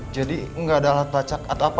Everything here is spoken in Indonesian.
jadi gak ada alat pelacak atau apa